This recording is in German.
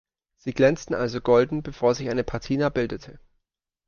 Sie glänzten also golden, bevor sich eine Patina bildete.